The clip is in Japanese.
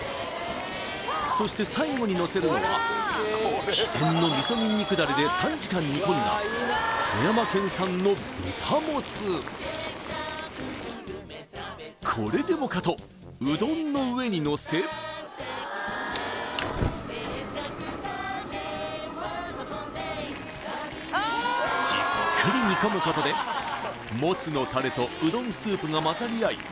そして最後にのせるのは秘伝の味噌ニンニクダレで３時間煮込んだ富山県産の豚モツこれでもかとうどんの上にのせじっくり煮込むことでモツのタレとうどんスープが混ざり合い